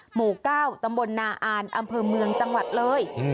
หมู่๙ตำบลนาอ่านอำเภอเมืองจังหวัดเลย